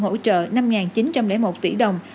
hỗ trợ năm chín trăm linh một tỷ đồng